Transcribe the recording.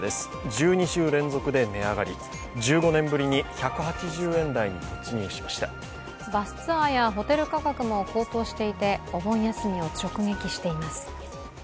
１２週連続で値上がり、１５年ぶりに１８０円台に突入しましたバスツアーやホテル価格も高騰していて、お盆休みを直撃しています。